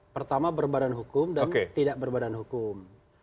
pertama berbadan hukum dan tidak berbadan hukum